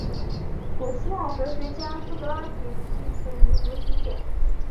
古希腊哲学家苏格拉底即死于毒芹碱。